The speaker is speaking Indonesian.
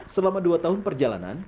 selama dua tahun perjalanan